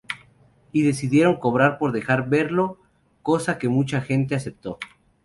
Y decidieron cobrar por dejar verlo, cosa que mucha gente aceptó.